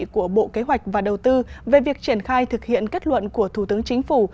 của bộ kế hoạch và đầu tư về việc triển khai thực hiện kết luận của thủ tướng chính phủ